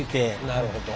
なるほど。